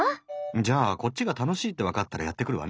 じゃあこっちが楽しいってわかったらやってくるわね。